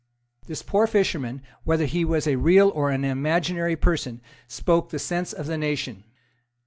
This poor fisherman, whether he was a real or an imaginary person, spoke the sense of the nation.